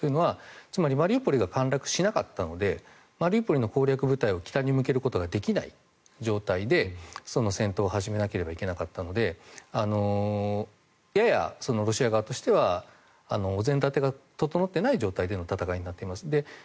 つまりマリウポリは陥落しなかったのでマリウポリの攻略部隊を北に向けることができない状態で、戦闘を始めなければいけなかったのでややロシア側としてはお膳立てが整っていない状態での戦いになっています。